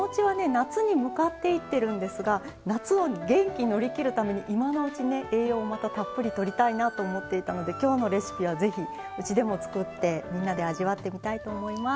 夏に向かっていってるんですが夏を元気に乗り切るために今のうちね栄養をまたたっぷりとりたいなと思っていたのできょうのレシピはぜひうちでも作ってみんなで味わってみたいと思います。